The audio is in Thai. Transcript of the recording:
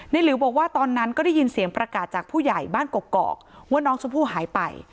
หลิวบอกว่าตอนนั้นก็ได้ยินเสียงประกาศจากผู้ใหญ่บ้านกอกว่าน้องชมพู่หายไป